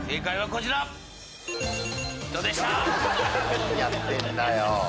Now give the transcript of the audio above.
何やってんだよ